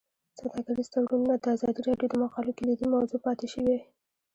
سوداګریز تړونونه د ازادي راډیو د مقالو کلیدي موضوع پاتې شوی.